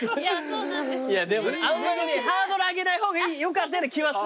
あんまりねハードル上げない方がよかったような気はするんだよ。